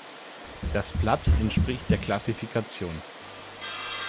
Das Blatt entspricht der Klassifikation.